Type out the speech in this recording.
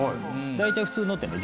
大体普通のってね